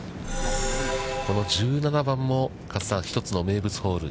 この１７番も、加瀬さん、一つの名物ホール。